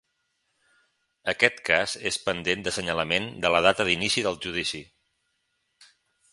Aquest cas és pendent d’assenyalament de la data d’inici del judici.